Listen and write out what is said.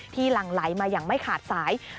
ที่หลังไลย์มาอย่างไม่ขาดสาย